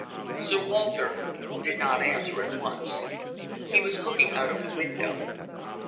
Sir Walter did not answer at once. He was looking out of the window.